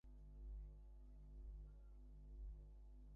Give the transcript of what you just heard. তার মানে কি অকল্টের ব্যাপারে রোগা মেয়েরাই বেশি উৎসাহী?